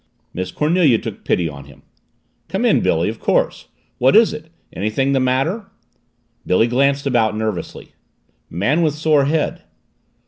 Miss Cornelia took pity on him. "Come in, Billy, of course. What is it? Anything the matter?" Billy glanced about nervously. "Man with sore head."